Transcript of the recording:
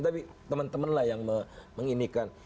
tapi teman teman lah yang menginikan